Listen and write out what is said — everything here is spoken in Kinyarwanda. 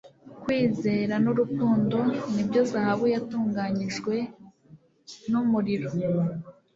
Ukwizera n'urukundo ni byo Zahabu yatunganijwe n'umuriro.